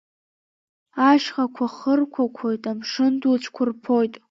Ашьхақәа хырқәақәоит, амшын ду цәқәырԥоит.